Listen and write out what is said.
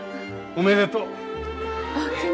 おめでとう。